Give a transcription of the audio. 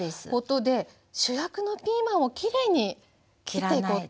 主役のピーマンをきれいに切っていこうと。